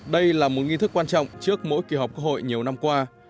đây là một nghi thức quan trọng trước mỗi kỳ họp quốc hội nhiều năm qua